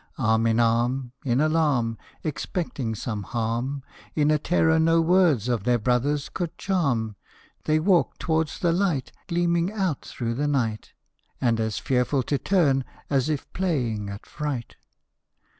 Arm in arm, In alarm, Expecting some harm, In a terror no words of their brother's could charm, They walked t'wards the light Gleaming out through the night, And as fearful to turn as if playing at Fright.